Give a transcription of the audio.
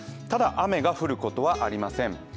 ただ、雨が降ることはありません。